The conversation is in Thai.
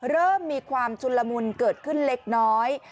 เริ่มมีความชุนละมุนเกิดขึ้นเล็กน้อย